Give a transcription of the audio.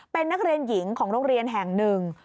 เป็นนักเรียนหญิงของโรงเรียนแห่งหนึ่ง